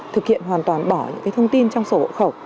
thực hiện hoàn toàn bỏ những thông tin trong sổ hộ khẩu